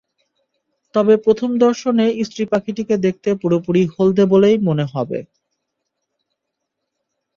তবে প্রথম দর্শনে স্ত্রী পাখিটিকে দেখতে পুরোপুরি হলদে বলেই মনে হবে।